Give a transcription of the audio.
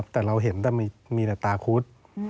แต่เราเห็นแต่มีแต่ตาคุด